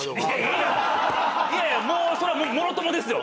いやいやそれはもろともですよ。